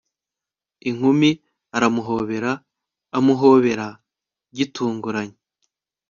Inkumi aramuhobera amuhobera gitunguranye